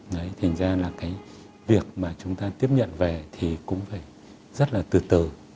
đấy thành ra là cái việc mà chúng ta tiếp nhận về thì cũng phải rất là từ từ